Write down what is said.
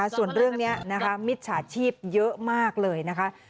ส่วนเรื่องนี้นะคะมิจฉาชีพเยอะมากเลยนะคะ